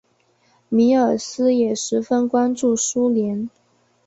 米尔斯也十分关注苏联。